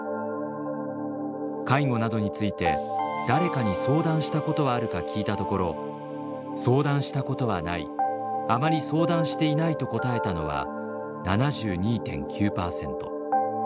介護などについて誰かに相談したことはあるか聞いたところ「相談したことはない」「あまり相談していない」と答えたのは７２．９％。